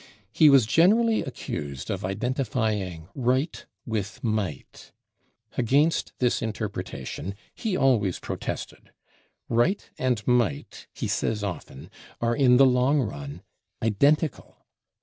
He was generally accused of identifying "right" with "might." Against this interpretation he always protested. Right and Might, he says often, are in the long run identical.